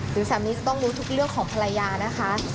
สามีจะต้องรู้ทุกเรื่องของภรรยานะคะ